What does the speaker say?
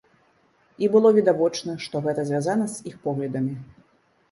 І было відавочна, што гэта звязана з іх поглядамі.